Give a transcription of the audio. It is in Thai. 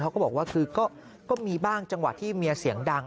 เค้าก็บอกว่ามีบ้างที่เมียเสียงดัง